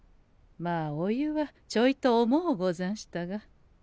まあお湯はちょいと重うござんしたが。